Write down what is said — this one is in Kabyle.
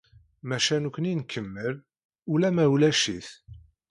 Maca nekkni nkemmel, ula ma ulac-it.